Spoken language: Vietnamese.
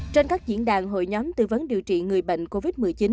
trên các diễn đàn hội nhóm tư vấn điều trị người bệnh covid một mươi chín